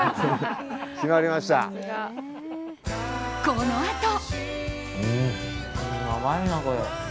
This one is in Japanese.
このあと。